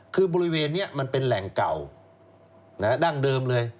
คือบริเวณนี้มันเป็นแหล่งเก่าดั้งเดิมเลย